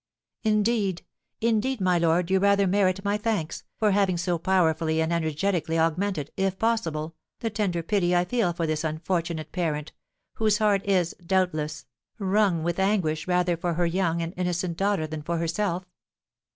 "Indeed! Indeed, my lord, you rather merit my thanks, for having so powerfully and energetically augmented, if possible, the tender pity I feel for this unfortunate parent, whose heart is, doubtless, wrung with anguish rather for her young and innocent daughter than for herself.